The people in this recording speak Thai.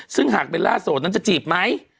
ซึ่งหากเบลล่าโสดนั้นจะจีบไหม